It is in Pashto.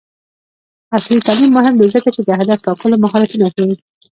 عصري تعلیم مهم دی ځکه چې د هدف ټاکلو مهارتونه ښيي.